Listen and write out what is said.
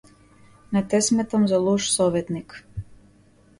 Не те сметам за лош советник.